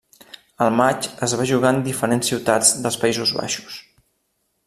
El matx es va jugar en diferents ciutats dels Països Baixos.